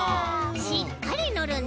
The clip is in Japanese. しっかりのるんだぞう。